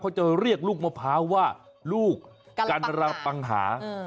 เขาจะเรียกลูกมะพร้าวว่าลูกกันระปังหา